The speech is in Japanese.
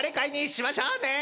しましょう！